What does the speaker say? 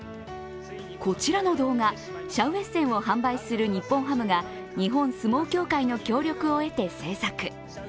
こちらの動画、シャウエッセンを販売する日本ハムが日本相撲協会の協力を得て製作。